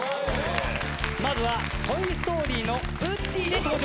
まずは『トイ・ストーリー』のウッディで登場だ。